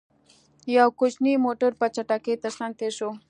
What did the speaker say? يو کوچينی موټر، په چټکۍ تر څنګ تېر شو.